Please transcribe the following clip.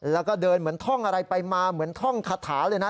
แล้วก็เดินเหมือนท่องอะไรไปมาเหมือนท่องคาถาเลยนะ